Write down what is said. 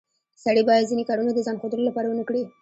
سړی باید ځینې کارونه د ځان ښودلو لپاره ونه کړي